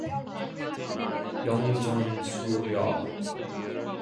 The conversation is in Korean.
영전수여